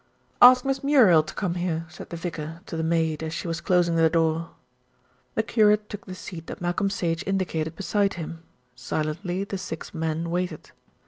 "Ask Miss Muriel to come here," said the vicar to the maid as she was closing the door. The curate took the seat that Malcolm Sage indicated beside him. Silently the six men waited.